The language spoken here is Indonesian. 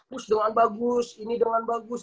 terus dengan bagus ini dengan bagus